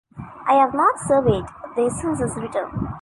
I have not surveyed there since his return.